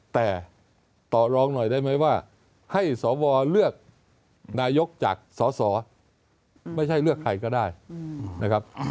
แต่ต่อรองหน่อยได้ไหมว่าให้สวเลือกนายกจากสสไม่ใช่เลือกใครก็ได้นะครับ